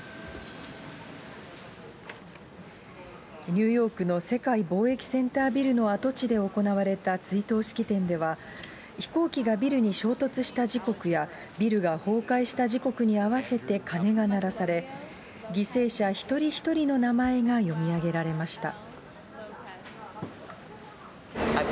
ニューヨークの世界貿易センタービルの跡地で行われた追悼式典では、飛行機がビルに衝突した時刻やビルが崩壊した時刻に合わせて鐘が鳴らされ、犠牲者一人一人の名前が読み上げられました。